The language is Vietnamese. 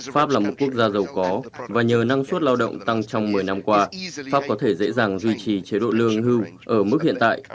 pháp là một quốc gia giàu có và nhờ năng suất lao động tăng trong một mươi năm qua pháp có thể dễ dàng duy trì chế độ lương hưu ở mức hiện tại